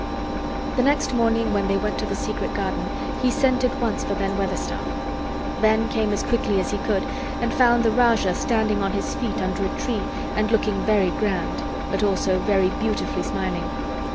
The next morning when they went to the secret garden he sent at once for Ben Weatherstaff. Ben came as quickly as he could and found the Rajah standing on his feet under a tree and looking very grand but also very beautifully smiling.